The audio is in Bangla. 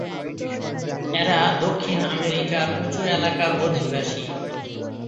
এরা দক্ষিণ আমেরিকার উচু এলাকার অধিবাসী।